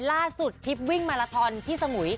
ล่าสุดทริปวิ่งมาลาทอนที่สมุย